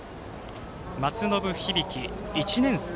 松延響、１年生。